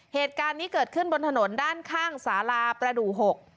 เหตุการณ์นี้เกิดขึ้นบนถนนด้านข้างสาราประดูกหก